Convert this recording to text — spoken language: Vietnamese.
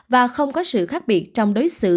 và không có sự khác biệt trong đối xử